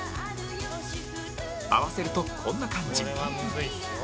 合わせるとこんな感じ